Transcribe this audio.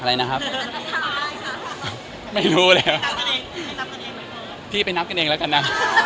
อะไรนะครับไม่รู้เลยพี่ไปนับกันเองแล้วกันนะ